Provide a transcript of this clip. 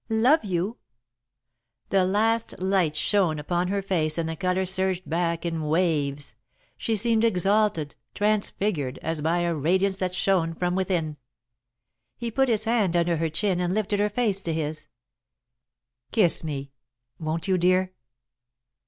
"Love you?" The last light shone upon her face and the colour surged back in waves. She seemed exalted, transfigured, as by a radiance that shone from within. He put his hand under her chin and lifted her face to his. "Kiss me, won't you, dear?"